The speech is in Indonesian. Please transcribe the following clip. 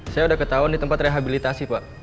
saya udah ketahuan di tempat rehabilitasi pa